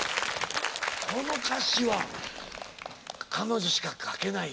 この歌詞は彼女しか書けない。